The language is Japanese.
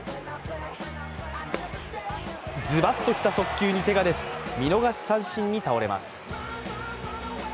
ズバッときた速球に手が出ず、見逃し三振に倒れます。